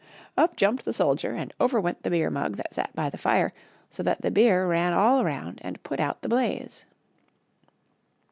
Up jumped the soldier and over went the beer mug that sat by the fire so that the beer ran all around and put out the blaze.